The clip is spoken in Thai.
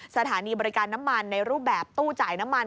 สถานีบริการน้ำมันในรูปแบบตู้จ่ายน้ำมัน